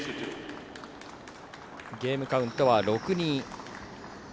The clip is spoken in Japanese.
ゲームカウントは６−２。